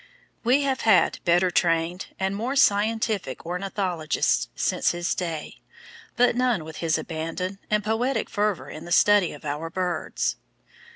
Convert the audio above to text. We have had better trained and more scientific ornithologists since his day, but none with his abandon and poetic fervour in the study of our birds.